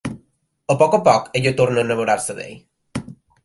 A poc a poc ella torna a enamorar-se d'ell.